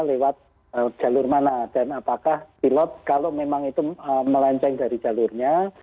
lewat jalur mana dan apakah pilot kalau memang itu melenceng dari jalurnya